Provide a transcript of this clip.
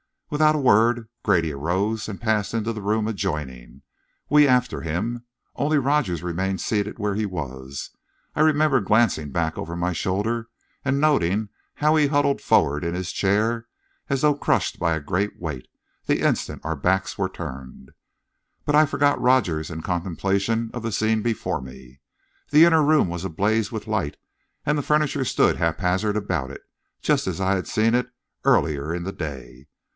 Without a word, Grady arose and passed into the room adjoining, we after him; only Rogers remained seated where he was. I remember glancing back over my shoulder and noting how he huddled forward in his chair, as though crushed by a great weight, the instant our backs were turned. But I forgot Rogers in contemplation of the scene before me. The inner room was ablaze with light, and the furniture stood hap hazard about it, just as I had seen it earlier in the day.